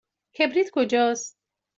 کبریت کجاست؟